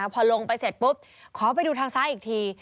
พอลงไปเสร็จปุ๊บขอไปดูทางซ้ายอีกที